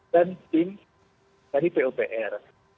dan tim dari pupr